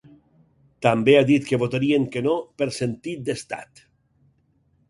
També ha dit que votarien que no per ‘sentit d’estat’.